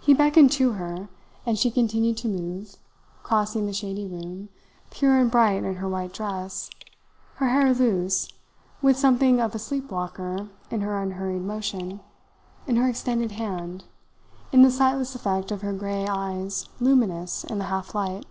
He beckoned to her, and she continued to move, crossing the shady room, pure and bright in her white dress, her hair loose, with something of a sleep walker in her unhurried motion, in her extended hand, in the sightless effect of her grey eyes luminous in the half light.